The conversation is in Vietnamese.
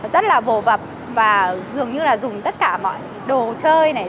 rất là bồ vập và dường như là dùng tất cả mọi đồ chơi này